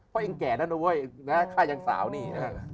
เพราะเองแก่นั่นนะเว้ยข้ายางสาวนี่